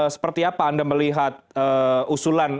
seperti apa anda melihat usulan